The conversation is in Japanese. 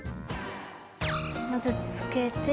まずつけて。